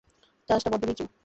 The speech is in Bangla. জাহাজটা বড্ড নিচু।